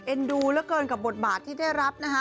เอ็นดูแล้วเกินกับบทบาทที่ได้รับ